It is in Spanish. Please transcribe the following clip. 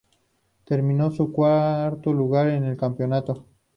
Terminó en cuarto lugar en el campeonato.